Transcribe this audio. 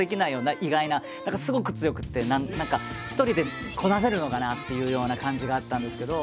すごく強くて何か一人でこなせるのかなっていうような感じがあったんですけど。